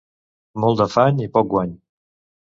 Molt d'afany i poc guany.